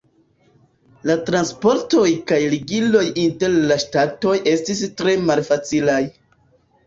La transportoj kaj ligiloj inter la ŝtatoj estis tre malfacilaj.